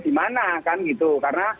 dimana kan gitu karena